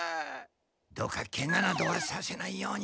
どうかケガなどはさせないように。